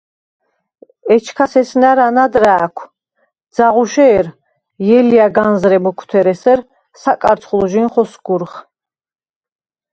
ეჩქას ესნა̈რ ანად რა̄̈ქვ, ძაღუშე̄რ: ჲელია̈ განზრე მუქვთერ ესერ საკარცხვილჟი̄ნ ხოსგურხ.